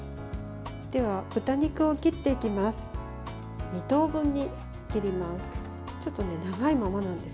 では、豚肉を切っていきます。